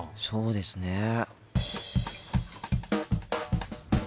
そうですね。